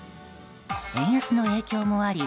円安の影響もあり